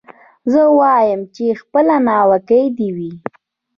زه وايم چي خپله ناوکۍ دي وي